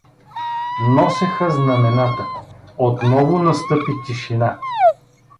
Носеха знамената, Отново настъпи тишина.